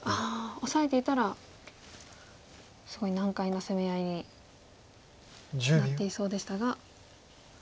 オサえていたらすごい難解な攻め合いになっていそうでしたが。